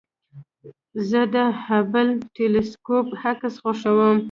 زه د هبل ټېلسکوپ عکس خوښوم.